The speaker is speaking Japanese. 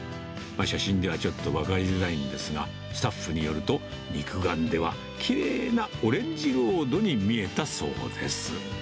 写真ではちょっと分かりづらいんですが、スタッフによると、肉眼ではきれいなオレンジロードに見えたそうです。